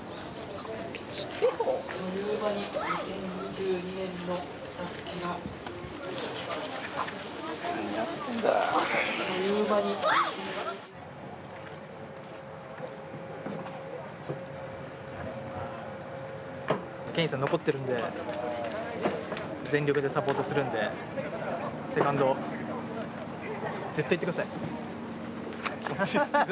あっという間に２０２２年のＳＡＳＵＫＥがケインさん残ってるんで、全力でサポートするんで、セカンド、絶対行ってください。